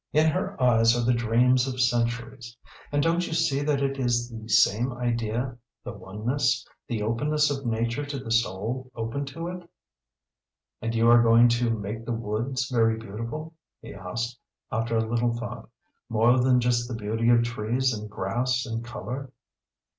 In her eyes are the dreams of centuries. And don't you see that it is the same idea the oneness the openness of nature to the soul open to it?" "And you are going to make the woods very beautiful?" he asked, after a little thought. "More than just the beauty of trees and grass and colour?"